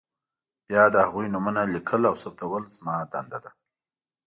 بیا د هغوی نومونه لیکل او ثبتول زما دنده ده.